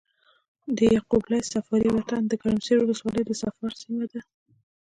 د يعقوب ليث صفاري وطن د ګرمسېر ولسوالي د صفار سيمه ده۔